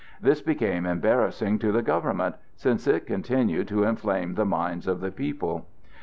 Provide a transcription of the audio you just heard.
This became embarrassing to the government, since it continued to inflame the minds of the people.